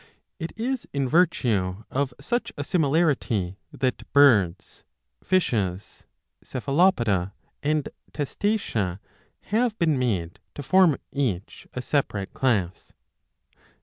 It is in virtue of such a similarity that Birds, Fishes, Cephalopoda, and Testacea have been made to form each a 644 b. i6 i. 4— i. 5. separate class.